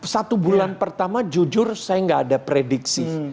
satu bulan pertama jujur saya gak ada prediksi